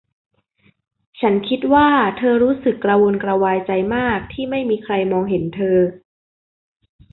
ฉันคิดว่าเธอรู้สึกกระวนกระวายใจมากที่ไม่มีใครมองเห็นเธอ